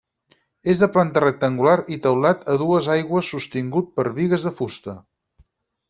És de planta rectangular i teulat a dues aigües sostingut per bigues de fusta.